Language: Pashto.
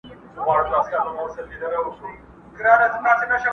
د دوى مخي ته لاسونه پرې كېدله٫